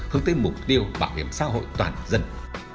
hướng tới mục tiêu bảo hiểm xã hội toàn dân